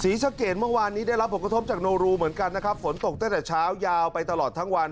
สะเกดเมื่อวานนี้ได้รับผลกระทบจากโนรูเหมือนกันนะครับฝนตกตั้งแต่เช้ายาวไปตลอดทั้งวัน